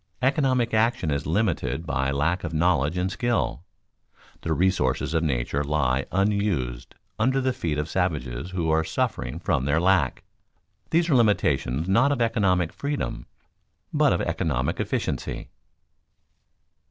Economic action is limited by lack of knowledge and skill; the resources of nature lie unused under the feet of savages who are suffering from their lack. These are limitations not of economic freedom but of economic efficiency.